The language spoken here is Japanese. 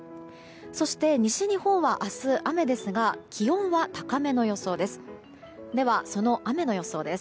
そして西日本は明日雨ですが気温は高めの予想です。